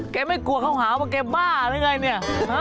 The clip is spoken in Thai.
ไม่กลัวเขาหาว่าแกบ้าหรือไงเนี่ย